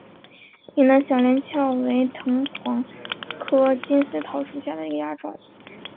云南小连翘为藤黄科金丝桃属下的一个亚种。